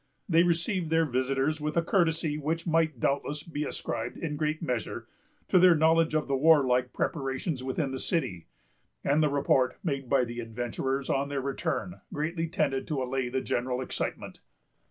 They received their visitors with a courtesy which might doubtless be ascribed, in great measure, to their knowledge of the warlike preparations within the city; and the report made by the adventurers, on their return, greatly tended to allay the general excitement.